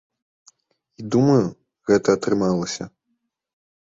І думаю, гэта атрымалася.